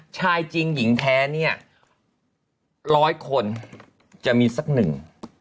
จริงหญิงแท้เนี่ยร้อยคนจะมีสักหนึ่ง